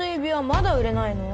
まだ売れないの？